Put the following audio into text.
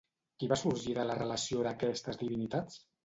Qui va sorgir de la relació d'aquestes divinitats?